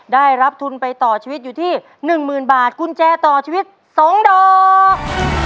ได้รับทุนไปต่อชีวิตอยู่ที่หนึ่งหมื่นบาทกุญแจต่อชีวิตสองดอก